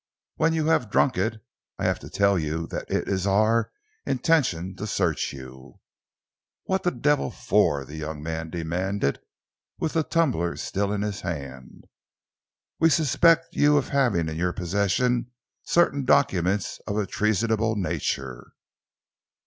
"When you have drunk it, I have to tell you that it is our intention to search you." "What the devil for?" the young man demanded, with the tumbler still in his hand. "We suspect you of having in your possession certain documents of a treasonous nature."